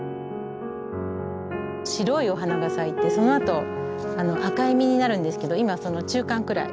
白いお花が咲いてそのあと赤い実になるんですけど今その中間くらい。